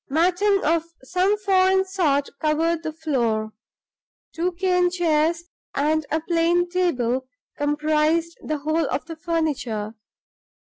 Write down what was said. Matting of some foreign sort covered the floor. Two cane chairs and a plain table comprised the whole of the furniture.